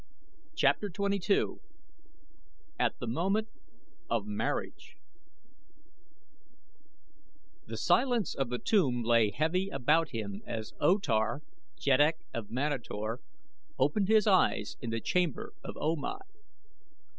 CHAPTER XXII AT THE MOMENT OF MARRIAGE The silence of the tomb lay heavy about him as O Tar, Jeddak of Manator, opened his eyes in the chamber of O Mai.